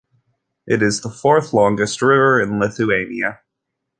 It is the fourth longest river in Lithuania.